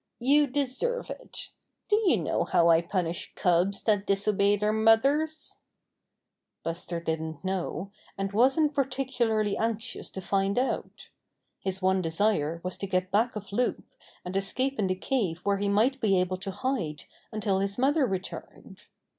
"You deserve it. Do you know how I punish cubs that disobey their mothers ?" Buster didn't know, and wasn't particularly anxious to find out. His one desire was to get back of Loup and escape in the cave where he might be able to hide until his mother re turned.